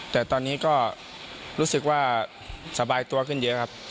แต่ตอนนี้ก็รู้สึกว่าสบายตัวขึ้นเยอะครับ